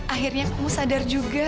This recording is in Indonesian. akhirnya kamu sadar juga